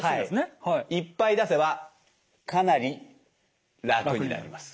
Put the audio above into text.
いっぱい出せばかなり楽になります。